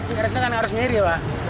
karena kan kamu harus menyeri pak